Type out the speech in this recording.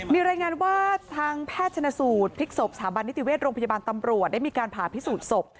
มีรายงานว่าทางแพทย์ชนสูตรพลิกศพสถาบันนิติเวชโรงพยาบาลตำรวจได้มีการผ่าพิสูจน์ศพ